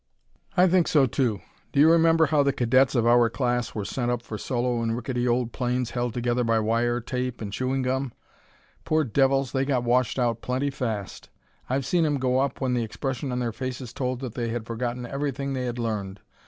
"I think so, too. Do you remember how the Cadets of our class were sent up for solo in rickety old planes held together by wire, tape and chewing gum? Poor devils, they got washed out plenty fast! I've seen 'em go up when the expression on their faces told that they had forgotten everything they had learned.